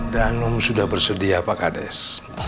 danom sudah bersedia pak kades